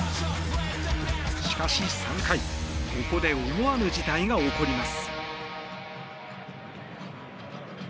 しかし、３回ここで思わぬ事態が起こります。